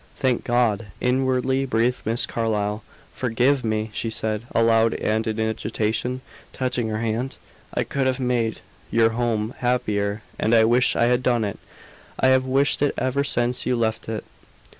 "Thank God!" inwardly breathed Miss Carlyle. "Forgive me," she said, aloud and in agitation, touching her hand. "I could have made your home happier, and I wish I had done it. I have wished it ever since you left it."